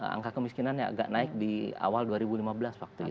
angka kemiskinan yang agak naik di awal dua ribu lima belas waktu itu